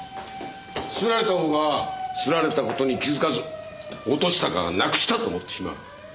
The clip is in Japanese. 掏られたほうが掏られた事に気付かず落としたかなくしたと思ってしまう。